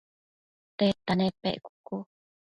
tedta nepec?cucu